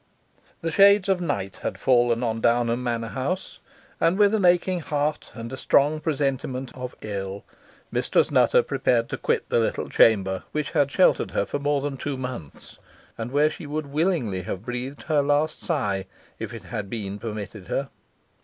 The shades of night had fallen on Downham manor house, and with an aching heart, and a strong presentiment of ill, Mistress Nutter prepared to quit the little chamber which had sheltered her for more than two months, and where she would willingly have breathed her latest sigh, if it had been so permitted her.